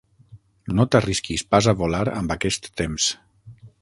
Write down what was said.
No t'arrisquis pas a volar, amb aquest temps.